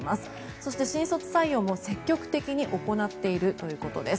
そして、新卒採用も積極的に行っているということです。